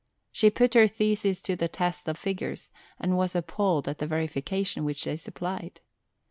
She put her thesis to the test of figures, and was appalled at the verification which they supplied.